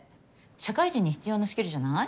社会人に必要なスキルじゃない？